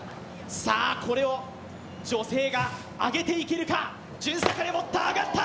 さあ、これを女性が上げていけるか順逆で持った、上がった。